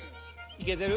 いけてる？